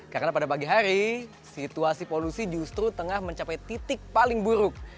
karena pada pagi hari situasi polusi justru tengah mencapai titik paling buruk